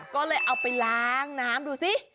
ก็เลยเอาไปล้างน้ำดูสิ